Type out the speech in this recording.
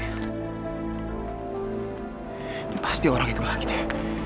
ini pasti orang itu lagi dek